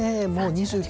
２９